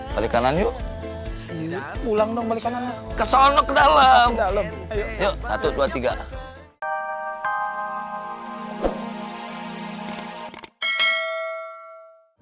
balikkanan yuk pulang dong balikkanan kesono kedalam satu ratus dua puluh tiga